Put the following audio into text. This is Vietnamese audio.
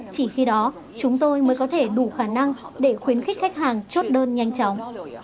chỉ khi đó chúng tôi mới có thể đủ khả năng để khuyến khích khách hàng chốt đơn nhanh chóng